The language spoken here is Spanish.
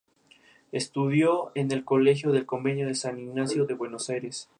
Estudió en el colegio del convento de San Ignacio de Buenos Aires.